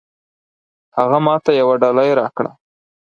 هغه ماته يوه ډالۍ راکړه.